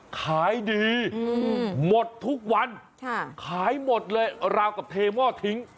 ขายดีหมดทุกวันขายหมดเลยราวกับเทหม้อทิ้ง